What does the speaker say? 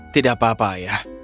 tidak apa apa ayah